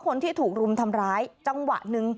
คนที่ถูกรุมทำร้ายจังหวะหนึ่ง